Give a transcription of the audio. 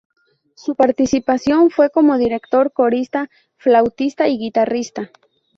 Su participación fue como director, corista, flautista, y guitarrista.